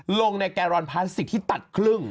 ลงในแกรอนพลาสติกที่ตัดครึ่ง